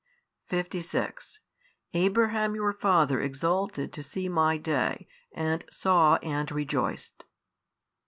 56 Abraham your father exulted to see My Day and saw and rejoiced.